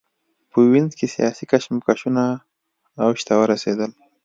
په وینز کې سیاسي کشمکشونه اوج ته ورسېدل.